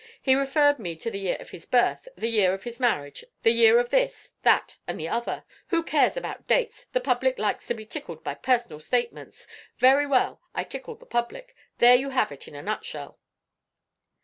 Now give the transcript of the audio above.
He referred me to the year of his birth, the year of his marriage, the year of this, that, and the other. Who cares about dates? The public likes to be tickled by personal statements. Very well I tickled the public. There you have it in a nutshell."